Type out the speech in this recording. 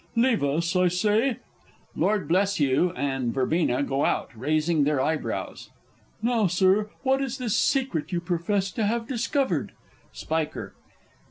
Leave us, I say. (Lord B. and VERB. go out, raising their eyebrows.) Now, Sir, what is this secret you profess to have discovered? _Spiker.